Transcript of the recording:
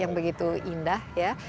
yang begitu indah ya